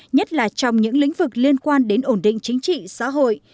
nhất là trong những lĩnh vực liên quan đến ổn định chính trị xã hội